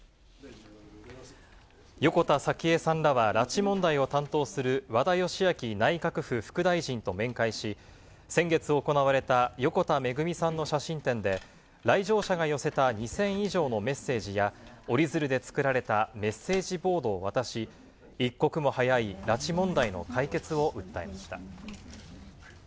横田早紀江さんらは拉致問題を担当する和田義明内閣府副大臣と面会し、先月行われた横田めぐみさんの写真展で、来場者が寄せた２０００以上のメッセージや、折り鶴で作られたメッセージボードを渡し、一刻も早い拉致問題の解決を訴えました。